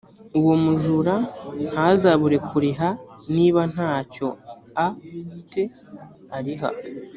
uwo mujura ntazabure kuriha niba nta cyo a te ariha